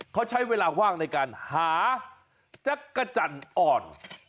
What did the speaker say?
เขาใช้เวลาว่างในการหาจักรจันทร์อ่อน